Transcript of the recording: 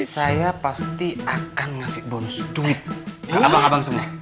saya pasti akan ngasih bonus duit abang abang semua